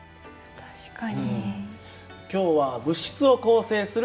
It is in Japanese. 確かに。